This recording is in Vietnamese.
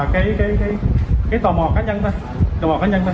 cái tò mò cá nhân thôi